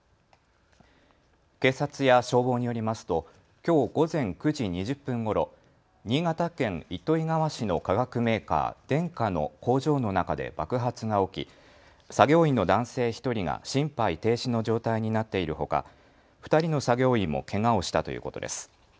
警察や消防によりますときょう午前９時２０分ごろ新潟県糸魚川市の化学メーカー、デンカの工場の中で爆発が起き作業員の男性１人が心肺停止の状態になっているほか、２人の作業員もけがをしたということです。